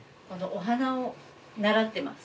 お花を習ってます。